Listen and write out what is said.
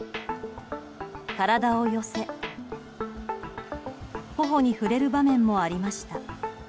体を寄せ頬に振れる場面もありました。